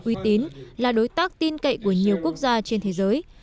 uy tín là đối tác tin cậy của nhiều quốc gia trên thế giới